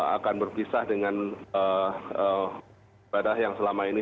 akan berpisah dengan ibadah yang selama ini